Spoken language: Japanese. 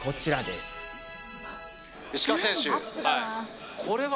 石川選手。